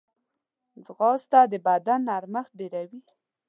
ځغاسته د بدن نرمښت ډېروي